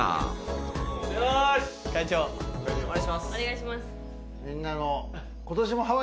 お願いします。